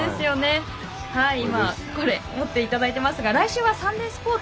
今持っていただいてますが来週は「サンデースポーツ」